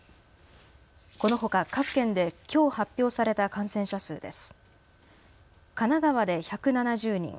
このほか各県できょう発表された感染者数です。